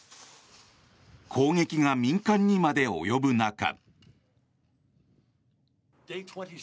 攻撃が民間にまで及ぶ中。